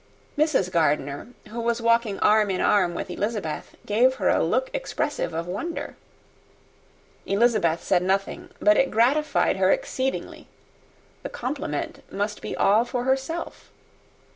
Mrs. Gardiner, who was walking arm in arm with Elizabeth, gave her a look expressive of her wonder. Elizabeth said nothing, but it gratified her exceedingly; the compliment must be all for herself.